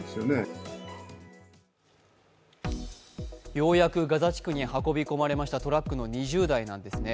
ようやくガザ地区に運び込まれたトラックの２０台なんですね。